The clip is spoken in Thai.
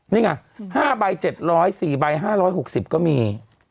นี่ไง๕ใบ๗๐๐บาท๔ใบ๕๖๐บาทก็มี